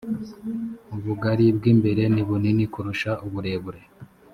ubugari bw imbere nibunini kurusha uburebure